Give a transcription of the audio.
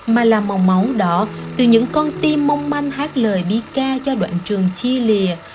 mà là màu máu đỏ từ những con tim mong manh hát lời bi ca cho đoạn trường chia lìa